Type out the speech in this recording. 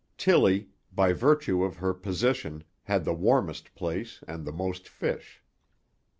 Tillie, by virtue of her position, had the warmest place and the most fish.